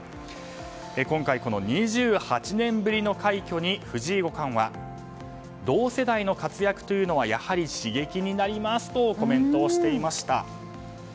今回、この２８年ぶりの快挙に藤井五冠は同世代の活躍というのはやはり刺激になりますとコメントをしていました。